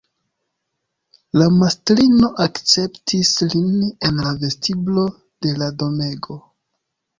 La mastrino akceptis lin en la vestiblo de la domego.